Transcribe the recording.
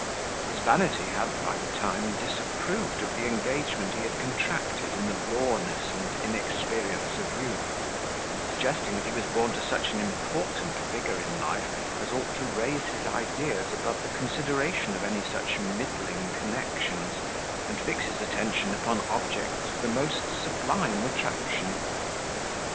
His vanity had, by the time, disapproved of the engagement he had contracted in the rawness and inexperience of youth; suggesting, that he was born to such an important figure in life, as ought to raise his ideas above the consideration of any such middling connections, and fix his attention upon objects of the most sublime attraction.